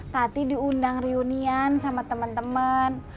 tadi diundang reunian sama temen temen